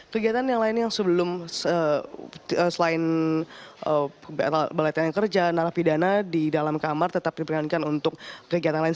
kegiatan yang lainnya yang sebelum selain balai latihan kerja narapidana di dalam kamar tetap diperlukan untuk berpengalaman